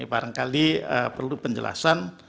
barangkali perlu penjelasan